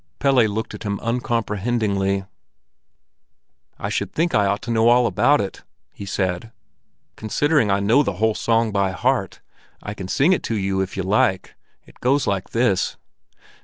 Pelle looked at him uncomprehendingly. "I should think I ought to know all about it," he said, "considering I know the whole song by heart. I can sing it to you, if you like. It goes like this."